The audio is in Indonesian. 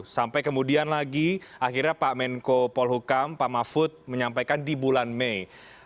sampai kemudian lagi akhirnya pak menko polhukam pak mahfud menyampaikan di bulan mei